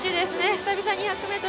久々に２００ｍ